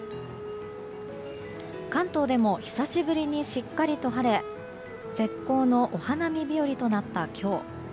関東でも久しぶりにしっかりと晴れ絶好のお花見日和となった今日。